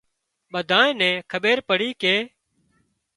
ٻۮانئين کٻير پڙي ڪي